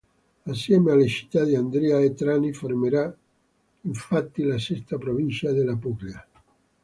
Assieme alle città di Andria e Trani, formerà infatti la sesta provincia della Puglia.